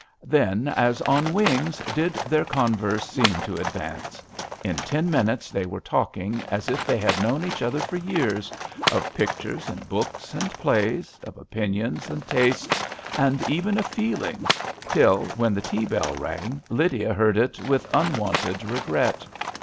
Then, as on wings, did their converse seem to advance. In ten minutes they were talking as if they had known each other for years : of pictures, and books, and plays, of opinions and tastes, and even of feelings, till, when the tea bell rang Lydia heard it with unwonted regret.